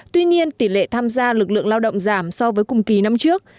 tuy nhiên tỷ lệ tham gia lực lượng lao động giảm so với cùng kỳ năm trước